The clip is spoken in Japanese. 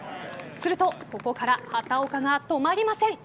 するとここから畑岡が止まりません。